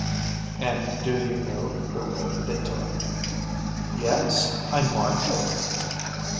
'And do you know the road they took?' 'Yes, I marked it.'